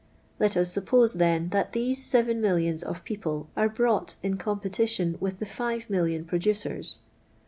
Let us suppose, then, that these seven millions of people are brought in competition with the five million producers.